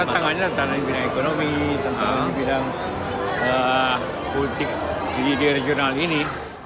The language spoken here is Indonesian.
tantangannya tentang bidang ekonomi tentang bidang politik di regional ini